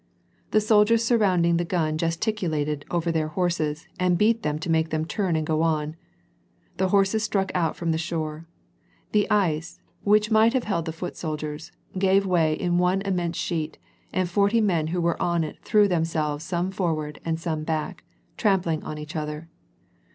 The soldiers surrounding the gun gesticulated over their horses, and beat them to make them turn and go on. The horses struck out from the shore. The ice, which might have held the foot soldiers, gave way in one immense sheet, and forty men who were on it threw themselves some forward and some back, trampling on each other.